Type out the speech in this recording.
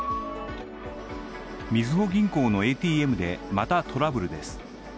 みずほ銀行のＡＴＭで、またトラブルです。